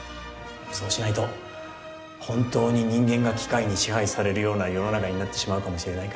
そうしないと本当に人間が機械に支配されるような世の中になってしまうかもしれないからね。